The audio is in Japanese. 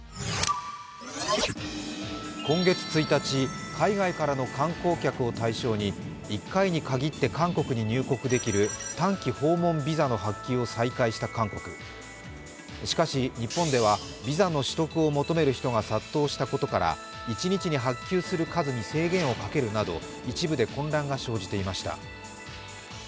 今月１日、海外からの観光客を対象に１回に限って韓国に入国できる、短期訪問ビザの発給を再開した韓国しかし、日本ではビザの取得を求める人が殺到したことから一日に発給する数に制限をかけるなど一部で混乱が生じていました。